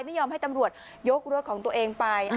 ไม่ยอมให้ตำรวจยกรถของตัวเองไป